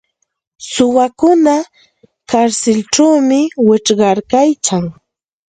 Suwakuna karsilćhawmi wichqaryarkan.